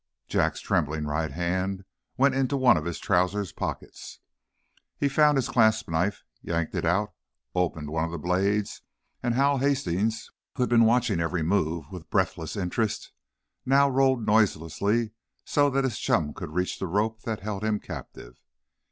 Jack's trembling right hand went into one of his trousers pockets. He found his clasp knife, yanked it out, opened one of the blades, and Hal Hastings, who had been watching every move with breathless interest, now rolled noiselessly so that his chum could reach the rope that held him captive.